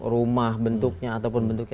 rumah bentuknya ataupun bentuknya